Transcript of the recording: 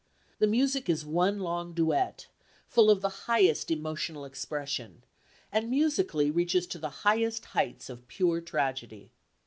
The music is one long duet, full of the highest emotional expression, and musically reaches to the highest heights of pure tragedy.